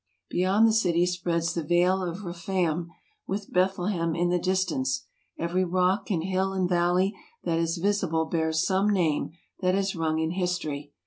Beyond the city spreads the Vale of Rephaim, with Bethlehem in the distance; every rock and hill and valley that is visible bears some name that has rung in history.